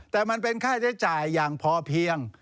แต่มันเป็นค่าใช้จ่ายอย่างพอเพียง